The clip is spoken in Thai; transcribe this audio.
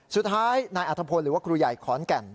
สุดท้ายนายอัธพลหรือว่าครูใหญ่ขอนแก่น